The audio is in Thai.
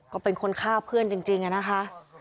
ก็เป็นคนฆ่าเพื่อนจริงอะนะคะ